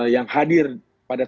yang hadir pada